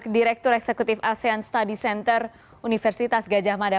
direktur eksekutif asean study center universitas gajah mada